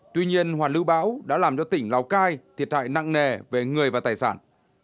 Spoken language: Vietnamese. tuy nhiên hoàn lưu bão đã làm cho tỉnh lào cai thiệt hại nặng nề về người và tài sản